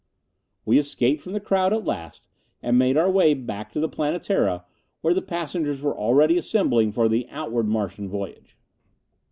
We escaped from the crowd at last and made our way back to the Planetara, where the passengers were already assembling for the outward Martian voyage.